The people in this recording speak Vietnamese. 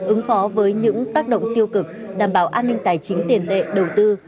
ứng phó với những tác động tiêu cực đảm bảo an ninh tài chính tiền tệ đầu tư